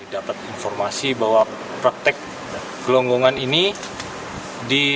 dapat informasi bahwa praktik penggelonggongan ini